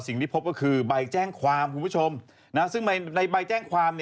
สิ่งที่พบก็คือใบแจ้งความคุณผู้ชมซึ่งในใบแจ้งความ